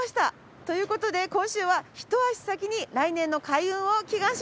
という事で今週はひと足先に来年の開運を祈願します。